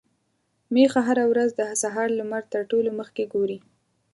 ميښه هره ورځ د سهار لمر تر ټولو مخکې ګوري.